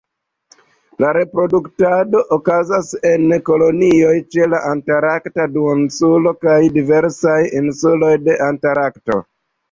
La reproduktado okazas en kolonioj ĉe la Antarkta Duoninsulo, kaj diversaj insuloj de Antarkto.